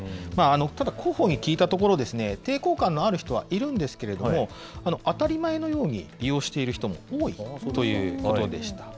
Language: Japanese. ただ広報に聞いたところですね、抵抗感のある人はいるんですけれども、当たり前のように利用している人も多いということでした。